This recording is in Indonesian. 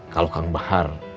kalau kang bahar